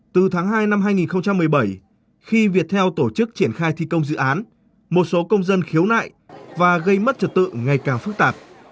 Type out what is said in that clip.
từ tháng hai năm hai nghìn một mươi bảy khi việt theo tổ chức triển khai thi công dự án một số công dân khiếu nại và gây mất trật tự ngày càng phức tạp